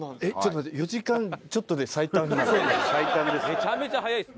めちゃめちゃ早いです。